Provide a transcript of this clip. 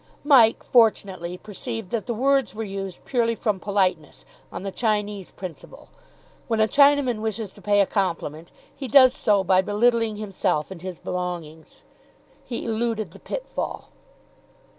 Mike, fortunately, perceived that the words were used purely from politeness, on the Chinese principle. When a Chinaman wishes to pay a compliment, he does so by belittling himself and his belongings. He eluded the pitfall.